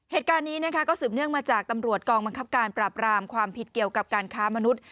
เหตุการณ์นี้นะคะก็สืบเนื่องมาจากตำรวจกองบังคับการปราบรามความผิดเกี่ยวกับการค้ามนุษย์